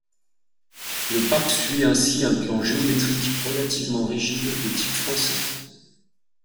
Le parc suit ainsi un plan géométrique relativement rigide de type français.